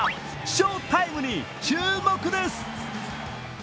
翔タイムに注目です。